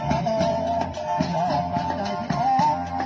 สวัสดีครับทุกคน